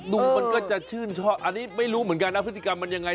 มันก็จะชื่นชอบอันนี้ไม่รู้เหมือนกันนะพฤติกรรมมันยังไง